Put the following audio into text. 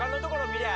見りゃ